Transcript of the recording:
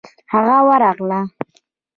هغه ورغله.